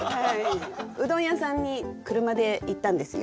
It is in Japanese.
うどん屋さんに車で行ったんですよ。